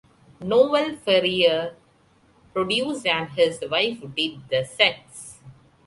Noel Ferrier produced and his wife did the sets.